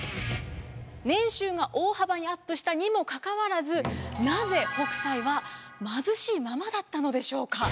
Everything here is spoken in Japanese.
年収が大幅にアップしたにもかかわらずなぜ北斎は貧しいままだったのでしょうか。